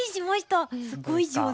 すごい上手。